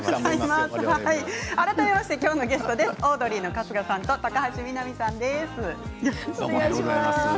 改めまして今日のゲストはオードリーの春日俊彰さんと高橋みなみさんです。